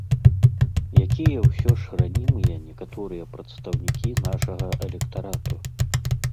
Якія ўсё ж ранімыя некаторыя прадстаўнікі нашага электарату!